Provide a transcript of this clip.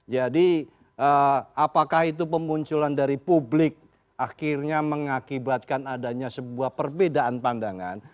jadi apakah itu pemunculan dari publik akhirnya mengakibatkan adanya sebuah perbedaan pandangan